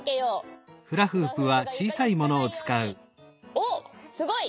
おっすごい！